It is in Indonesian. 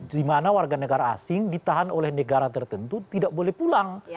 di mana warga negara asing ditahan oleh negara tertentu tidak boleh pulang